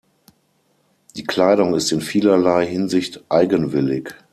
Die Kleidung ist in vielerlei Hinsicht eigenwillig.